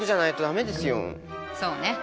そうね。